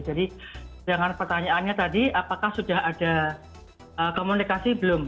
jadi dengan pertanyaannya tadi apakah sudah ada komunikasi belum